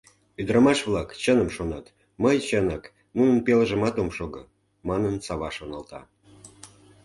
«Ӱдырамаш-влак чыным шонат, мый, чынак, нунын пелыжымат ом шого», — манын, Сава шоналта.